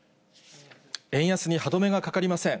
円安に歯止めがかかりません。